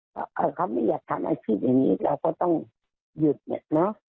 เขาไม่อยากทำอาชีพอย่างนี้